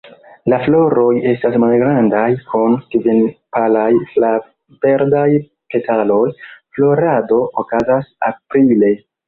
La floroj estas malgrandaj, kun kvin palaj flav-verdaj petaloj; florado okazas aprile.